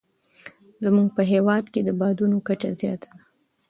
زموږ په هېواد کې د بادونو کچه زیاته ده.